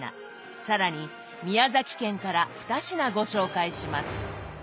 更に宮崎県から２品ご紹介します。